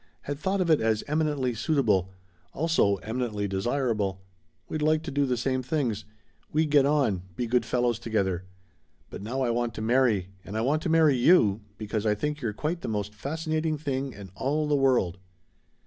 Had thought of it as 'eminently suitable' also, eminently desirable. We'd like to do the same things. We'd get on be good fellows together. But now I want to marry and I want to marry you because I think you're quite the most fascinating thing in all the world!"